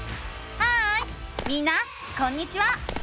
ハーイみんなこんにちは！